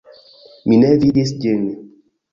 Mi ne vidis ĝin.